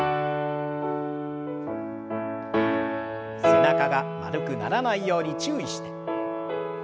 背中が丸くならないように注意して。